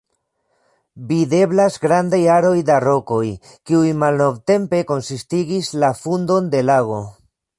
Videblas grandaj aroj da rokoj, kiuj malnovtempe konsistigis la fundon de lago.